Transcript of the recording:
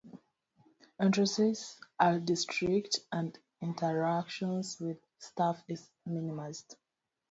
Entrances are discreet, and interaction with staff is minimized.